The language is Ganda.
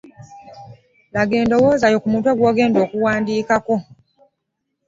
Laga endowooza yo ku mutwe gwogenda okuwandiikako